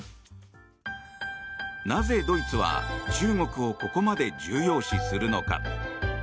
なぜ、ドイツは中国をここまで重要視するのか。